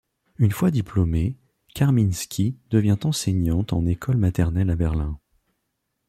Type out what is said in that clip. Une fois diplômée, Karminski devient enseignante en école maternelle à Berlin.